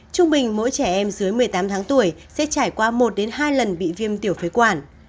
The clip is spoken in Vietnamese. trung bình mỗi trẻ em dưới một mươi tám tháng tuổi sẽ trải qua một hai lần bị viêm tiểu phế quản